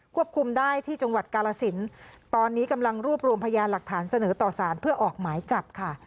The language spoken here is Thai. ควบคุมได้ที่จังหวัดกาลสินตอนนี้กำลังรวบรวมพยานหลักฐานเสนอต่อสารเพื่อออกหมายจับค่ะ